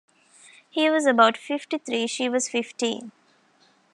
He was about fifty-three; she was fifteen.